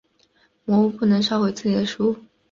魔物不能烧毁自己的书。